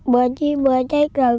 bà chí bơ cháy trời